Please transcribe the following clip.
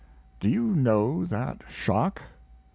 Do you know that shock?